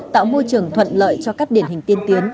tạo môi trường thuận lợi cho các điển hình tiên tiến